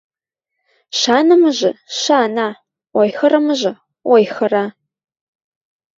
Шанымыжы — шана, ойхырымыжы — ойхыра...